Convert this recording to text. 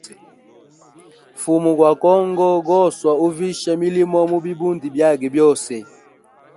Mfumu gwa congo goswa uvisha milimo mu bibundi byage byose.